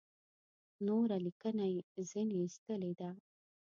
نوره لیکنه یې ځنې ایستلې ده.